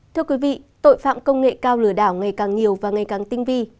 thưa quý vị tội phạm công nghệ cao lừa đảo ngày càng nhiều và ngày càng tinh vi